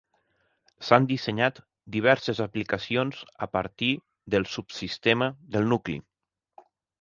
S'han dissenyat diverses aplicacions a partir del subsistema del nucli.